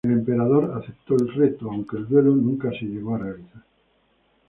El emperador aceptó el reto, aunque el duelo nunca llegó a realizarse.